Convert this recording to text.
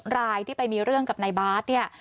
รายที่ไปมีเรื่องกับนายบาทเนี่ย